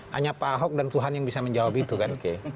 hanya pak ahok dan tuhan yang bisa menjawab itu kan